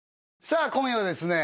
さあ今夜はですね